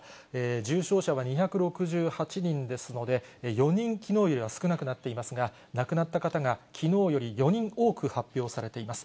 重症者は２６８人ですので、４人きのうよりは少なくなっていますが、亡くなった方がきのうより４人多く発表されています。